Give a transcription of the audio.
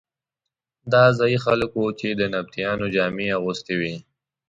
دا ځايي خلک وو چې د نبطیانو جامې یې اغوستې وې.